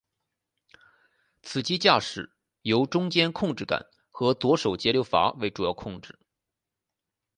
此机驾驶由中间控制杆和左手节流阀为主要控制。